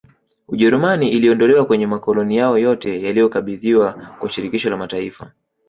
Ujerumani iliondolewa kwenye makoloni yao yote yaliyokabidhiwa kwa shirikisho la mataifa